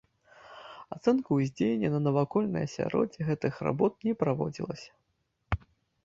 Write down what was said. Ацэнка ўздзеяння на навакольнае асяроддзе гэтых работ не праводзілася.